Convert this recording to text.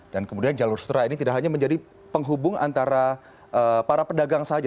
dan kemudian jalur sutra ini tidak hanya menjadi penghubung antara para pedagang saja